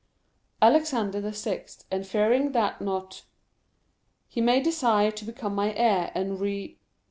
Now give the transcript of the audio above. Alexander VI., and fearing that not... he may desire to become my heir, and re...